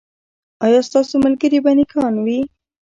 ایا ستاسو ملګري به نیکان وي؟